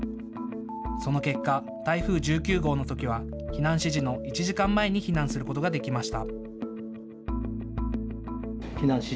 その結果、台風１９号のときは避難指示の１時間前に避難することができました。